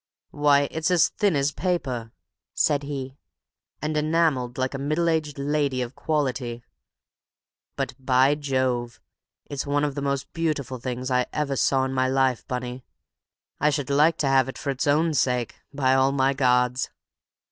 "Why, it's as thin as paper," said he, "and enamelled like a middle aged lady of quality! But, by Jove, it's one of the most beautiful things I ever saw in my life, Bunny. I should like to have it for its own sake, by all my gods!"